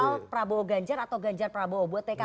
soal prabowo ganjar atau ganjar prabowo buat pkb